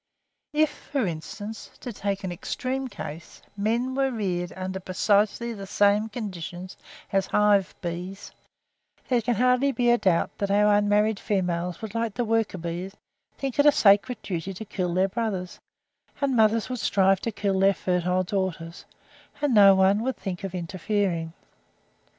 If, for instance, to take an extreme case, men were reared under precisely the same conditions as hive bees, there can hardly be a doubt that our unmarried females would, like the worker bees, think it a sacred duty to kill their brothers, and mothers would strive to kill their fertile daughters; and no one would think of interfering.